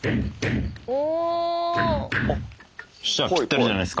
お！